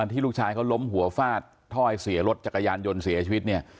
ที่ลูกชายเขาล้มหัวฟาดถ้อยเสียรถจักรยานยนต์เสียชีวิตเนี่ย